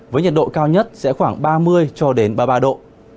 với nhiệt độ cao nhất sẽ khoảng ba mươi cho đến ba mươi ba độ